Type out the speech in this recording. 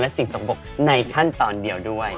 สิ่งสองปกในขั้นตอนเดียวด้วย